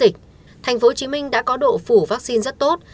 tp hcm đã có độ phủ vaccine rất tốt